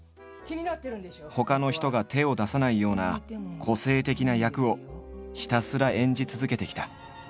ほかの人が手を出さないような個性的な役をひたすら演じ続けてきた。